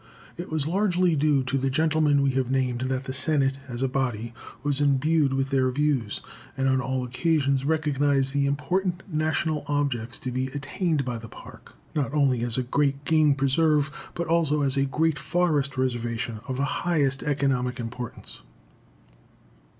It was largely due to the gentlemen we have named that the Senate, as a body, was imbued with their views, and on all occasions recognized the important national objects to be attained by the Park, not only as a great game preserve, but also as a great forest reservation of the highest economic importance.